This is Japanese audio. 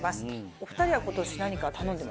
お２人は今年何か頼んでますか？